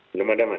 belum ada mas